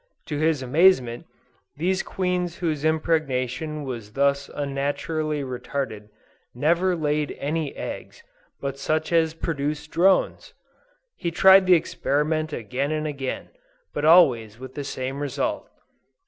To his amazement, these Queens whose impregnation was thus unnaturally retarded, never laid any eggs but such as produced drones!! He tried the experiment again and again, but always with the same result.